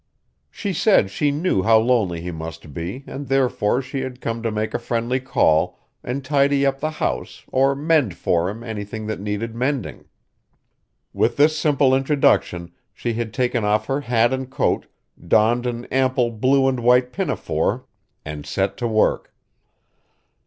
She said she knew how lonely he must be and therefore she had come to make a friendly call and tidy up the house or mend for him anything that needed mending. With this simple introduction she had taken off her hat and coat, donned an ample blue and white pinafore, and set to work.